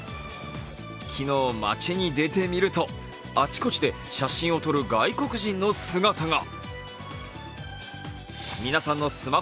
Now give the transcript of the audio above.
昨日、町に出てみるとあちこちで写真を撮る外国人の姿が。